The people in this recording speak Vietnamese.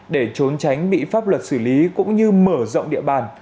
để trốn tránh bị pháp luật xử lý cũng như mở rộng địa bàn